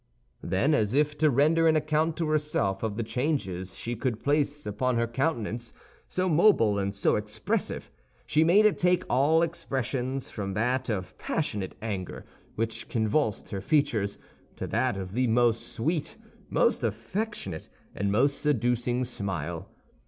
Then, as if to render an account to herself of the changes she could place upon her countenance, so mobile and so expressive, she made it take all expressions from that of passionate anger, which convulsed her features, to that of the most sweet, most affectionate, and most seducing smile.